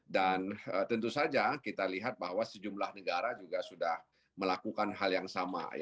dan tentu saja kita lihat bahwa sejumlah negara juga sudah melakukan hal yang sama